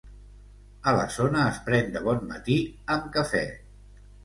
A la zona es pren de bon matí amb cafè.